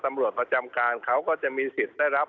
ประจำการเขาก็จะมีสิทธิ์ได้รับ